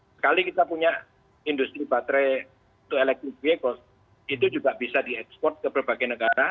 sekali kita punya industri baterai untuk electric vehicle itu juga bisa diekspor ke berbagai negara